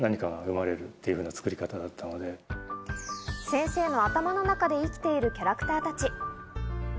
先生の頭の中で生きているキャラクターたち。